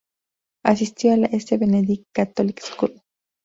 Asistió a la St Benedict Catholic School.